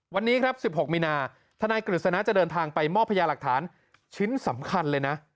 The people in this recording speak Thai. วันนี้ครับ๑๖มีนาธนายกฤษณะจะเดินทางไปมอบพยาหลักฐานชิ้นสำคัญเลยนะ